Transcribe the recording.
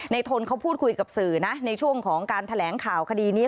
ทนเขาพูดคุยกับสื่อนะในช่วงของการแถลงข่าวคดีนี้